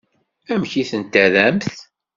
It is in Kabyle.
Amek i tent-terramt?